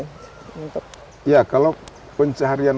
ya kalau pencarian masyarakat yang khususnya di sini